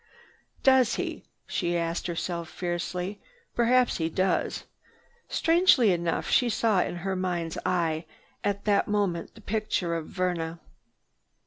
"Does he?" she asked herself fiercely. "Perhaps he does." Strangely enough, she saw in her mind's eye at that moment the picture of Verna.